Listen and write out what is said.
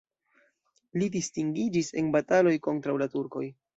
Li distingiĝis en bataloj kontraŭ la turkoj.